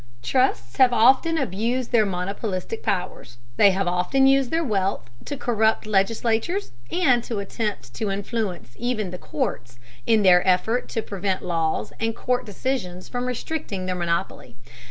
Trusts have often abused their monopolistic powers. They have often used their wealth to corrupt legislatures and to attempt to influence even the courts, in the effort to prevent laws and court decisions from restricting their monopoly.